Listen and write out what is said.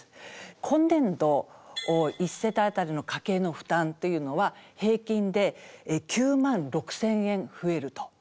今年度一世帯あたりの家計の負担というのは平均で９万６，０００円増えると。